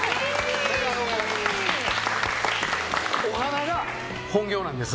お花が本業なんです。